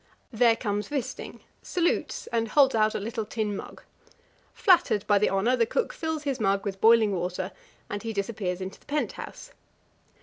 There comes Wisting, salutes, and holds out a little tin mug. Flattered by the honour, the cook fills his mug with boiling water, and he disappears into the pent house.